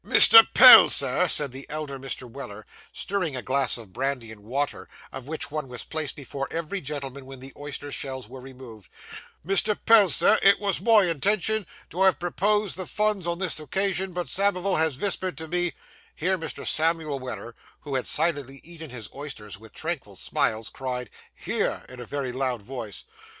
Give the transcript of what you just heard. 'Mr. Pell, Sir,' said the elder Mr. Weller, stirring a glass of brandy and water, of which one was placed before every gentleman when the oyster shells were removed 'Mr. Pell, Sir, it wos my intention to have proposed the funs on this occasion, but Samivel has vispered to me ' Here Mr. Samuel Weller, who had silently eaten his oysters with tranquil smiles, cried, 'Hear!' in a very loud voice.